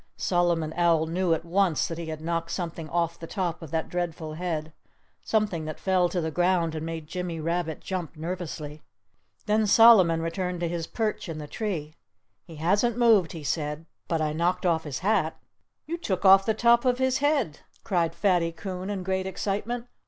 Solomon Owl knew at once that he had knocked something off the top of that dreadful head—something that fell to the ground and made Jimmy Rabbit jump nervously. Then Solomon returned to his perch in the tree. "He hasn't moved," he said. "But I knocked off his hat." "You took off the top of his head!" cried Fatty Coon in great excitement.